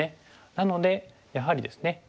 なのでやはりですね